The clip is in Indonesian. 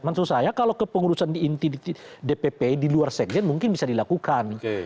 maksud saya kalau kepengurusan di inti di dpp di luar sekjen mungkin bisa dilakukan